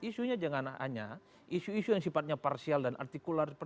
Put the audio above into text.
isunya jangan hanya isu isu yang sifatnya parsial dan artikular